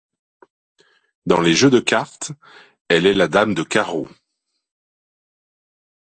Dans les jeux de cartes, elle est la dame de carreau.